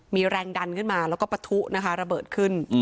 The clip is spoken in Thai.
มีแรงดันขึ้นมาแล้วก็ปะทุนะคะระเบิดขึ้น